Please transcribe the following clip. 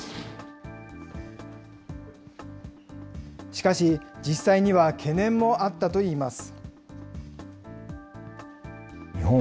しかし、実際には懸念もあったといいます。